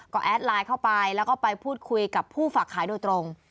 ก็แอดไลน์เข้าไปแล้วก็ไปพูดคุยกับผู้ฝากขายโดยตรง